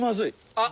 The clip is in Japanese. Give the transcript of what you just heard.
あっ。